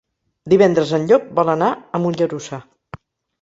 Divendres en Llop vol anar a Mollerussa.